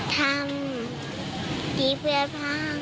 ทำดีเพื่อพ่อ